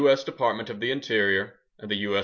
S. Department of the Interior U.S.